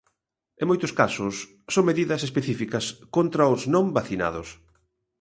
En moitos casos son medidas específicas contra os non vacinados.